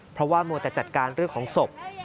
เพราะว่ามัวแต่จัดการเรื่องของศพ